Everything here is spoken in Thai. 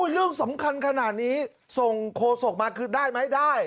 เรื่องสำคัญขนาดนี้ส่งโคศกมาคือได้ไหมได้